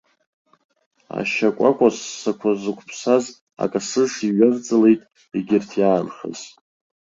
Ашьа кәакәа ссақәа зықәԥсаз акасыш иҩавҵалеит, егьырҭ иаанхаз.